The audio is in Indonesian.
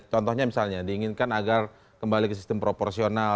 contohnya misalnya diinginkan agar kembali ke sistem proporsional